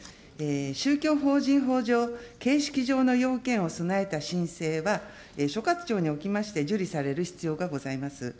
宗教法人法上、形式上の要件を備えた申請は、所轄庁におきまして、受理される必要がございます。